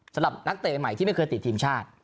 สำหรับนักเตะใหม่ที่ไม่เคยติดทีมชาติ